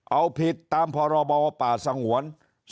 เอาผิดตามพบป่าสงวน๒๕๐๗